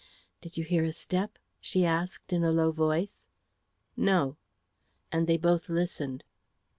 "Did you hear a step?" she asked in a low voice. "No." And they both listened.